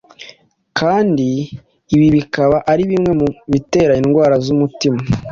kandi ibi bikaba ari bimwe mu bitera indwara z’umutima,